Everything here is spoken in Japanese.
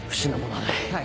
はい。